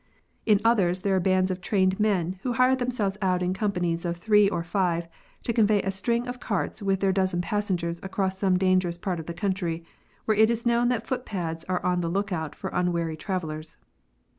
In others, there are bands of trained men who hire themselves out in companies of three or five to convey a string of carts with their dozen passengers across some dangerous part of the country, where it is known that foot pads are on the look out for unwary travellers.